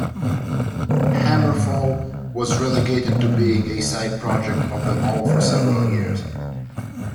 HammerFall was relegated to being a side project of them all for several years.